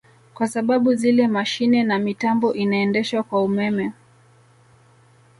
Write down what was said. Kwa sababu zile mashine na mitambo inaendeshwa kwa ummeme